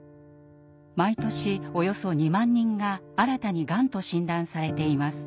毎年およそ２万人が新たにがんと診断されています。